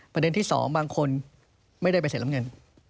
ประเด็นที่สองบางคนไม่ได้ใบเสร็จรับเงิน